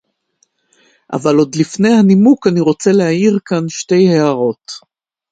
אבל עוד לפני הנימוק אני רוצה להעיר כאן שתי הערות